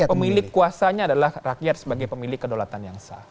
pemilik kuasanya adalah rakyat sebagai pemilik kedaulatan yang sah